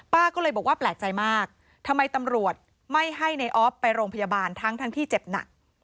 ก็เลยบอกว่าแปลกใจมากทำไมตำรวจไม่ให้ในออฟไปโรงพยาบาลทั้งทั้งที่เจ็บหนัก